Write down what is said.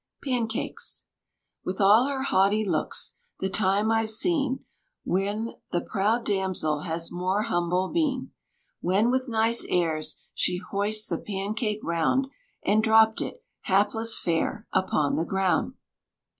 PANCAKES. With all her haughty looks, the time I've seen When the proud damsel has more humble been; When with nice airs she hoist the pancake round, And dropt it, hapless fair! upon the ground.